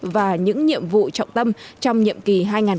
và những nhiệm vụ trọng tâm trong nhiệm kỳ hai nghìn hai mươi hai nghìn hai mươi năm